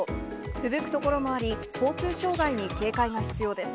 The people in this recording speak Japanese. ふぶく所もあり、交通障害に警戒が必要です。